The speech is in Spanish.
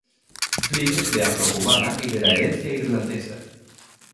Flynn es de Afro-Cubana y de la herencia Irlandesa.